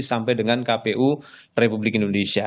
sampai dengan kpu republik indonesia